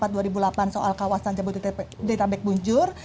di dua belas lima dua ribu delapan soal kawasan jabodetabek bunjur